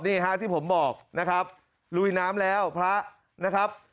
นี่ฮะที่ผมบอกนะครับลุยน้ำแล้วพระนะครับ